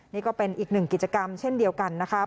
นี่ก็เป็นอีกหนึ่งกิจกรรมเช่นเดียวกันนะครับ